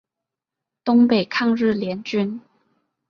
东北抗日联军。